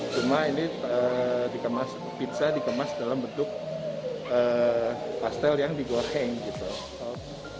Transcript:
cuma ini pizza dikemas dalam bentuk pastel yang digoreng gitu